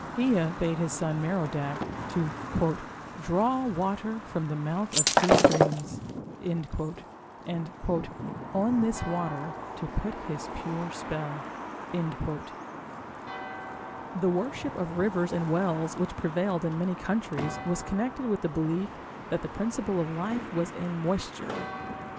Ea bade his son, Merodach, to "draw water from the mouth of two streams", and "on this water to put his pure spell". The worship of rivers and wells which prevailed in many countries was connected with the belief that the principle of life was in moisture.